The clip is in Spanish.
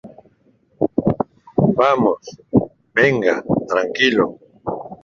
vamos. venga. tranquilo.